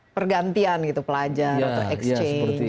pergantian gitu pelajar atau exchange